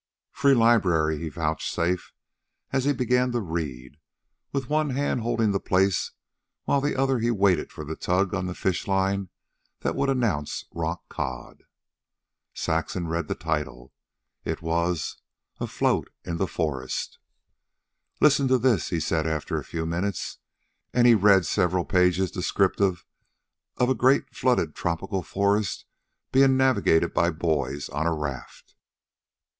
"Free Library," he vouchsafed, as he began to read, with one hand holding the place while with the other he waited for the tug on the fishline that would announce rockcod. Saxon read the title. It was "Afloat in the Forest." "Listen to this," he said after a few minutes, and he read several pages descriptive of a great flooded tropical forest being navigated by boys on a raft.